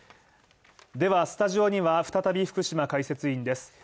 ではスタジオには再び福島解説員です。